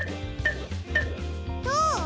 どう？